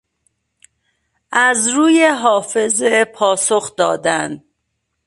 از روی حافظه پاسخ دادن